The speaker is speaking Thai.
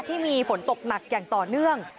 ที่มีฝนตกหนักอย่างต่อเนื่อง